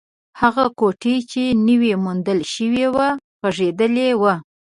هغه کوټې چې نوې موندل شوې وه، غږېدلې وه.